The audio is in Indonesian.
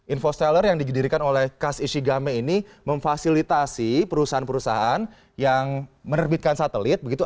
infosteller yang didirikan oleh kas ishigami ini memfasilitasi perusahaan perusahaan yang menerbitkan satelit begitu